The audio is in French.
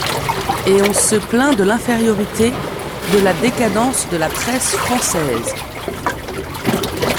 Et on se plaint de l’infériorité… de la décadence de la presse française !…